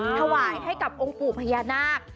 ถวายให้กับองค์ปู่พญานาค